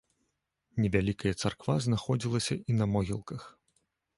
Невялікая царква знаходзілася і на могілках.